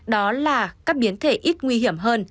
đó là các biến thể ít nguy hiểm hơn